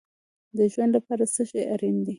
د ژوند لپاره څه شی اړین دی؟